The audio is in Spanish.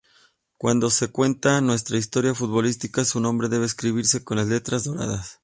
Cuando se cuenta nuestra historia futbolística, su nombre debe escribirse con letras doradas".